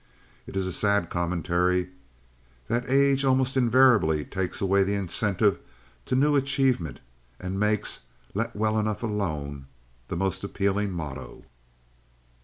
It is a sad commentary that age almost invariably takes away the incentive to new achievement and makes "Let well enough alone" the most appealing motto.